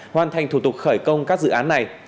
hoàn thành thủ tục khởi công các dự án này